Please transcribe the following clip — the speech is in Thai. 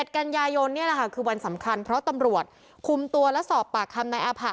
๗กันยายนคือวันสำคัญเพราะตำรวจคุมตัวและสอบปากคำในอาผะ